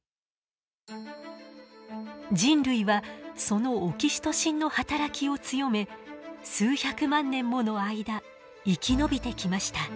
人類はそのオキシトシンの働きを強め数百万年もの間生き延びてきました。